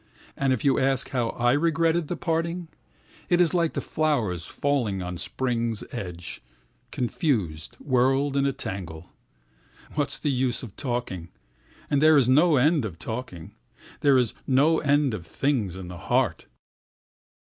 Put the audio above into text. And if you ask how I regret that parting? It is like the flowers falling at spring's end, confused, whirled in a tangle. What is the use of talking! And there is no end of talking—There is no end of things in the heart.